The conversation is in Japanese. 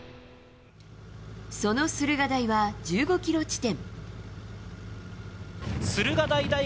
その駿河台は１５ｋｍ地点。